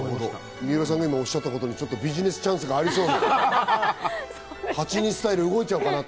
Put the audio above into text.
三浦さんがおっしゃったことににビジネスチャンスがありそう。